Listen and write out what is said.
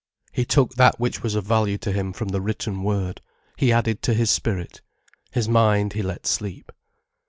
He took that which was of value to him from the Written Word, he added to his spirit. His mind he let sleep.